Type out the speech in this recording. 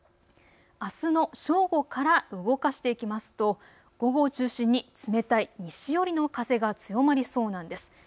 あすの正午から動かしていきますと午後を中心に冷たい西寄りの風が強まりそうなんです。